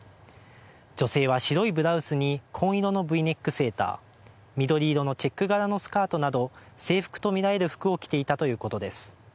女性は白いブラウスに、紺色のＶネックセーター緑色のチェック柄のスカートなど制服とみられる服を着ていたということです。